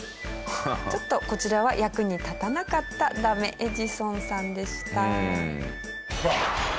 ちょっとこちらは役に立たなかったダメエジソンさんでした。